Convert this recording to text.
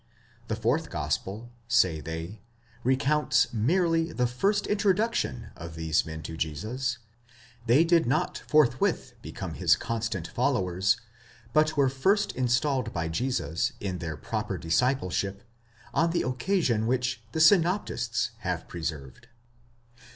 The fourth gospel, say they,! recounts merely the first introduction of these men to Jesus ; they did: not forthwith become his constant followers, but were first installed by Jesus in their proper discipleship on the occasion which the synoptists have pre served.